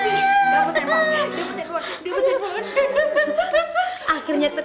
maya bakalan disaksikan weh aku ni tuh